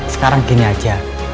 sekarang gini aja